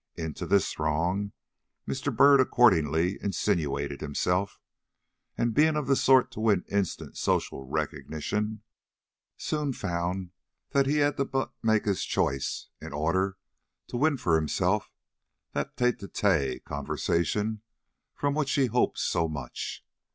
Into this throng Mr. Byrd accordingly insinuated himself, and being of the sort to win instant social recognition, soon found he had but to make his choice in order to win for himself that tête à tête conversation from which he hoped so much.